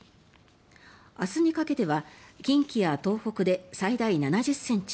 明日にかけては近畿や東北で最大７０ｃｍ